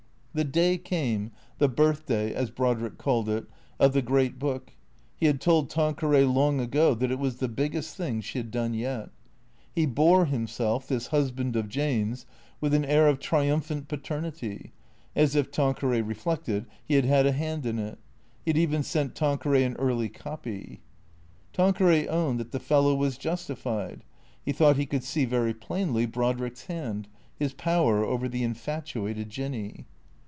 The day came, the Birthday, as Brodrick called it, of the Great Book. He had told Tanqueray long ago that it was the biggest thing she had done yet. He bore himself, this husband of Jane's, with an air of triumphant paternity, as if (Tanqueray reflected) he had had a hand in it. He had even sent Tanque ray an early copy. Tanqueray owned that the fellow was justi fied. He thought he could see very plainly Brodrick's hand, his power over the infatuated Jinny.